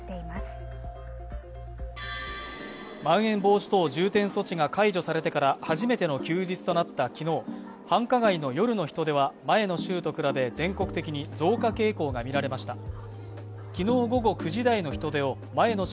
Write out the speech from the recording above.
まん延防止等重点措置が解除されてから初めての休日となった昨日、繁華街の夜の人出は前の週と比べ全国的に増加傾向がみられました。